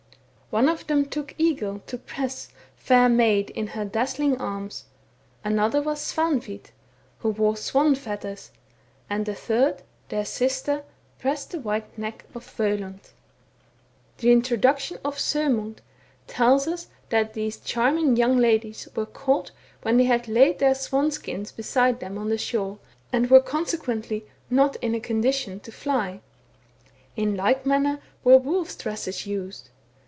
One of them took Egil to press, Fair maid, in her . Dazzling arms. Another was Svanhwit, Who wore swan feathers; And the third, Their sister, Pressed the white Neck of Vcelund. 2 18 THE BOOK OF WERE WOLVES. The introduction of Soemund tells us that these charm ing young ladies were caught when they had laid their swan skins heside them on the shore, and were conse quently not in a condition to fly. In like manner were wolves' dresses used.